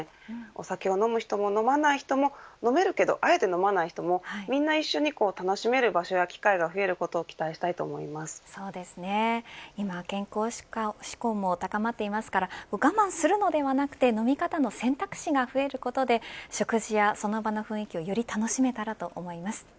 お酒を飲む人も飲まない人もあえて飲まない人もみんなが楽しめる場所や機会が増えることを今は健康志向も高まっていますから我慢するのではなく飲み方の選択肢が増えることで食事や、その場の雰囲気をより楽しめたらと思います。